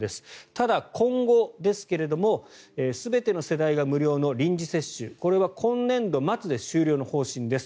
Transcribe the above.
ただ、今後ですが全ての世代が無料の臨時接種これは今年度末で終了の方針です。